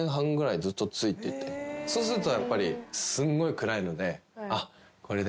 そうするとやっぱりすんごい暗いのでこれで。